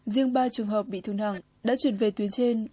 riêng ba trường hợp bị thương nặng đã chuyển về tuyến trên